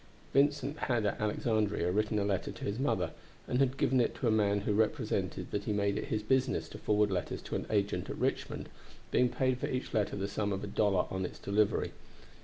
Vincent had at Alexandria written a letter to his mother, and had given it to a man who represented that he made it his business to forward letters to an agent at Richmond, being paid for each letter the sum of a dollar on its delivery.